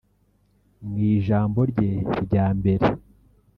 Mu ijambo rye rya mbere